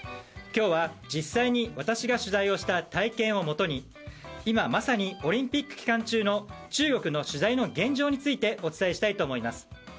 今日は実際に私が取材をした体験をもとに今まさにオリンピック期間中の中国の取材の現状についてお伝えしたいと思います。